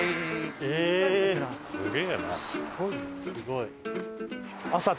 すごいよ。